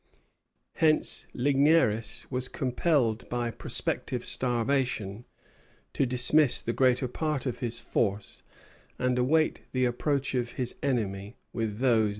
Hence Ligneris was compelled by prospective starvation to dismiss the greater part of his force, and await the approach of his enemy with those that remained.